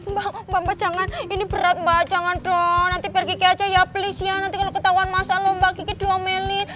mbak mbak mbak jangan ini berat mbak jangan dong nanti pergi ke aja ya please ya nanti kalau ketahuan masalah mbak gigi doang melih